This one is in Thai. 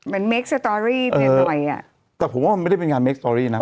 เมคสตอรี่เนี่ยหน่อยอ่ะแต่ผมว่ามันไม่ได้เป็นงานเคสตอรี่นะ